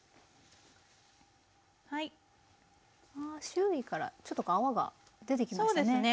周囲からちょっと泡が出てきましたね。